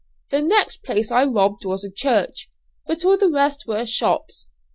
The next place I robbed was a church; but all the rest were shops.